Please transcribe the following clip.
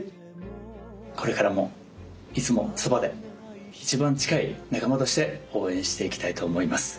これからもいつもそばで一番近い仲間として応援していきたいと思います。